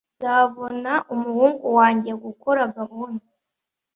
Nzabona umuhungu wanjye gukora gahunda.